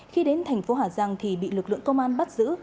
khi đến thành phố hà giang thì bị lực lượng công an bắt giữ